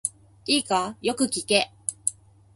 いいか、よく聞け。